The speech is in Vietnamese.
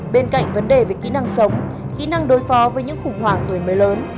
bên cạnh vấn đề về kỹ năng sống kỹ năng đối phó với những khủng hoảng tuổi mới lớn